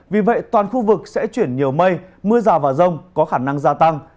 vì vậy toàn khu vực sẽ chuyển nhiều mây mưa rào và rông có khả năng gia tăng